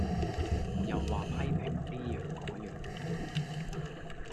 又話批評哩樣個樣